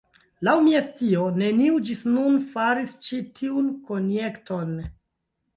Laŭ mia scio, neniu ĝis nun faris ĉi tiun konjekton.